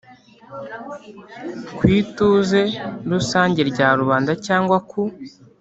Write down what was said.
Ku ituze rusange rya rubanda cyangwa ku